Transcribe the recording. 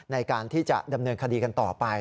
ในการที่จะดำเนินคดีกันต่อไป